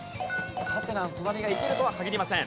ハテナの隣がいけるとは限りません。